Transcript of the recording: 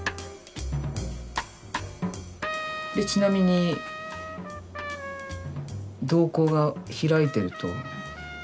ちなみに瞳孔が開いてると。